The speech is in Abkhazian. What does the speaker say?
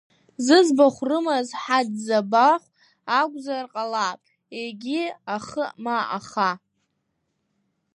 Зыӡбахә рымаз Ҳаӡӡабахә акәзар ҟалап, егьи ахы ма аха…